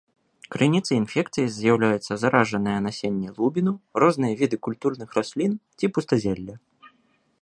Крыніцай інфекцыі з'яўляюцца заражанае насенне лубіну, розныя віды культурных раслін ці пустазелля.